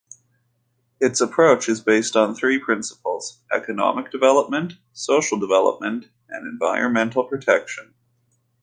Its approach is based on three principles: economic development, social development and environmental protection.